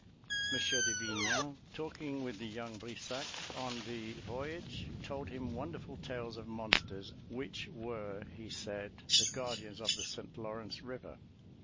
M. de Vignan, talking with the young Brissac on the voyage, told him wonderful tales of monsters which were, he said, the guardians of the St. Lawrence River.